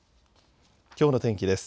きょうの天気です。